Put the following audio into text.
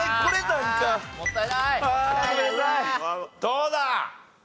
どうだ？